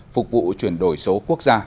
phục vụ chuyển đổi số quốc gia